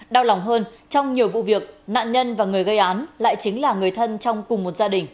đau lòng hơn trong nhiều vụ việc nạn nhân và người gây án lại chính là người thân trong cùng một gia đình